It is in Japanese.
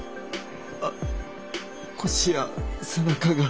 あ腰や背中が。